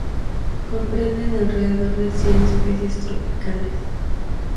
Comprenden alrededor de cien especies tropicales.